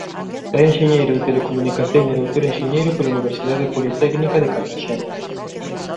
É enxeñeiro de Telecomunicación e doutor enxeñeiro pola Universidade Politécnica de Cartaxena.